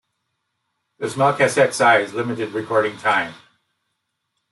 The small cassette size limited recording time.